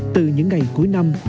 từ những ngày cuối năm